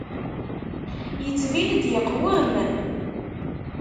Yettbin-d yeqwem.